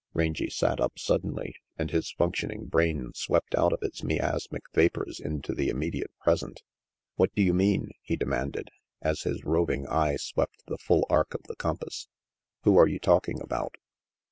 Rangy sat up suddenly and his functioning brain swept out of its miasmic vapors into the immediate present. "What do you mean?" he demanded, as his roving eye swept the full arc of the compass. " Who are you talking about?"